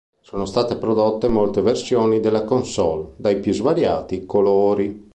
Sono state prodotte molte versioni della console dai più svariati colori.